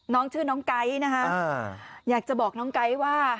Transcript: น้องชื่อน้องไก๊นะคะอยากจะบอกน้องไก๊ว่า